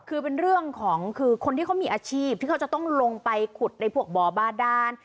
คือเป็นเรื่องของคือคนที่เขามีอาชีพที่เขาจะต้องลงไปขุดในพวกบ่อบาดาน